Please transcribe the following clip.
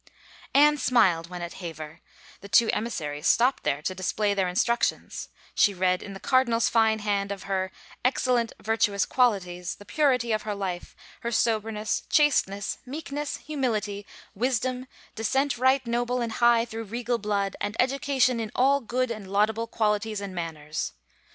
Anne smiled when at Hever — the two emissaries stopped there to display their instructions — she read in the cardinal's fine hand of her, " excellent virtuous qual ities, the purity of her life, her soberness, chasteness, meekness, humility, wisdom, descent right noble and high through regal blood, and education in all good and laudable qualities and manners